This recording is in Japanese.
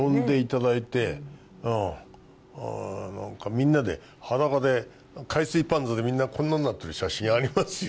みんなで裸で海水パンツでみんなこんなんなってる写真ありますよ。